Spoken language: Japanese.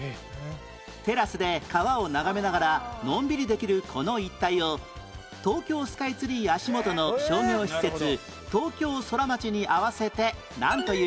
テラスで川を眺めながらのんびりできるこの一帯を東京スカイツリー足元の商業施設東京ソラマチに合わせてなんという？